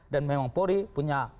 dan memang polri punya